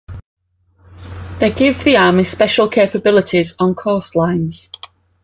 They give the army special capabilities on coastlines.